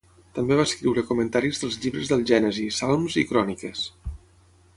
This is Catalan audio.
També va escriure comentaris dels llibres del Gènesi, Salms i Cròniques.